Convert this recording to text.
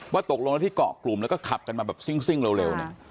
ว่าตกลงรถที่เกาะกลุ่มแล้วก็ขับกันมาแบบซิ่งเร็ว